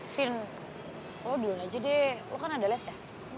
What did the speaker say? sin lo duluan aja deh lo kan ada les ya